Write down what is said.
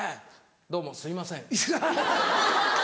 どうもすいません。